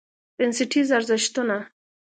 بنسټیز ارزښتونه: